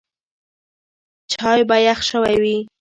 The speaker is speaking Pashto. چای به یخ شوی وي.